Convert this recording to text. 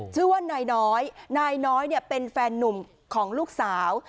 ชื่อว่านายน้อยนายน้อยเป็นแฟนนุ่มของลูกสาว